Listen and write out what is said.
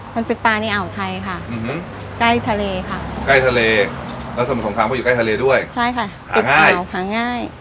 มันเป็นปลาในอ่าวไทยค่ะใกล้ทะเลค่ะใกล้ทะเลแล้วสมุทรสงครามก็อยู่ใกล้ทะเลด้วยใช่ค่ะหาง่ายหาง่าย